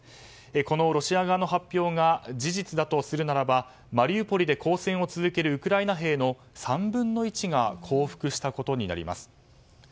このロシア側の発表が事実だとするならばマリウポリで抗戦を続けるウクライナ兵の３分の１が降伏したことになります。